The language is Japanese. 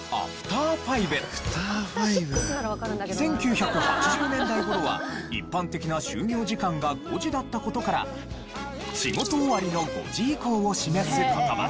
１９８０年代頃は一般的な終業時間が５時だった事から仕事終わりの５時以降を示す言葉。